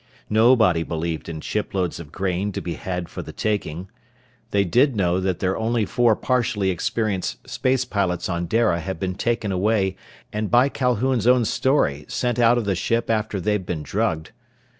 Nobody believed in shiploads of grain to be had for the taking. They did know that the only four partially experienced space pilots on Dara had been taken away and by Calhoun's own story sent out of the ship after they'd been drugged.